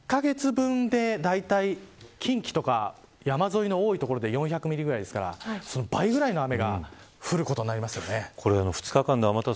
１カ月分で、だいたい近畿とか山沿いの多い所で４００ミリぐらいですからその倍ぐらいの雨が降ることになりますね。